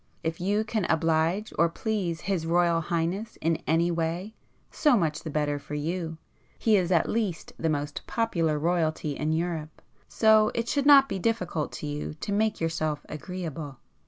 If you can oblige or please His Royal Highness in any way so much the better for you,—he is at least the most popular royalty in Europe, so it should not be difficult to you to make yourself agreeable.